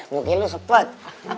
mungkin lo sepet